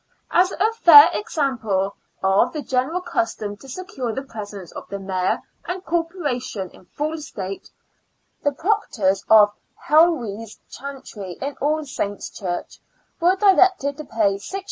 As a fair example of the general custom to secure the presence of the Mayor and Corporation in full state, the proctors of Hallewey's Chantry in All Saints' Church were directed to pay 6s.